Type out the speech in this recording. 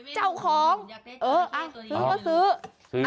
เจ้าของเออซื้อก็ซื้อ